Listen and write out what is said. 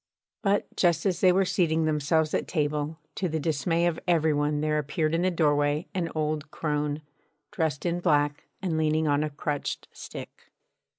But just as they were seating themselves at table, to the dismay of every one there appeared in the doorway an old crone, dressed in black and leaning on a crutched stick.